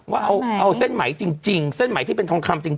ว่าเอาเส้นไหมจริงเส้นไหมที่เป็นทองคำจริง